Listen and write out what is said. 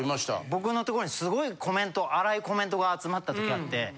僕のところにすごいコメント荒いコメントが集まった時あって。